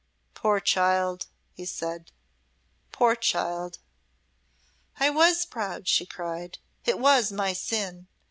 "Poor child!" he said; "poor child!" "I was proud," she cried. "It was my sin.